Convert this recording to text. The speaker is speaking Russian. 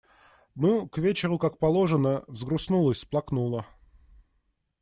Ну, к вечеру, как положено, взгрустнулось, всплакнула.